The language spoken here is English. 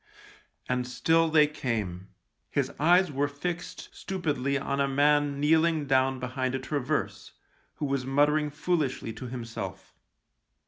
And still they came. His eyes were fixed stupidly on a man kneeling down behind a traverse, who was muttering foolishly to himself.